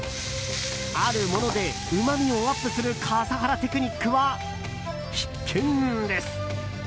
あるものでうまみをアップする笠原テクニックは必見です。